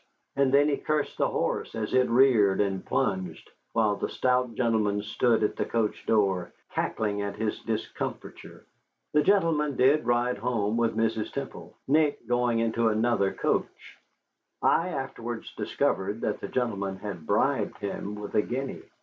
And then he cursed the horse as it reared and plunged, while the stout gentleman stood at the coach door, cackling at his discomfiture. The gentleman did ride home with Mrs. Temple, Nick going into another coach. I afterwards discovered that the gentleman had bribed him with a guinea.